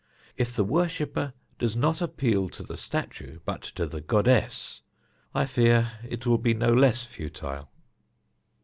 If the worshipper does not appeal to the statue, but to the goddess, I fear it will be no less futile.